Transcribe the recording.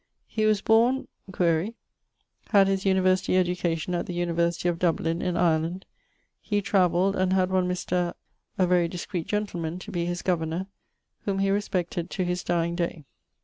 He was borne ... (quaere); had his University education at the University of Dublin, in Ireland. He travelled, and had one Mr. ... (a very discreet gentleman) to be his governor[BT], whom he respected to his dyeing day.